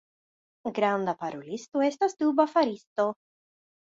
Granda parolisto estas duba faristo.